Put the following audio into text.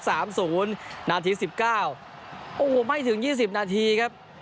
สามศูนย์นาทีสิบเก้าโอ้โหไม่ถึงยี่สิบนาทีครับ